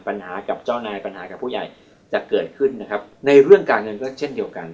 ปัญหากับเจ้านายปัญหากับผู้ใหญ่จะเกิดขึ้นนะครับในเรื่องการเงินก็เช่นเดียวกัน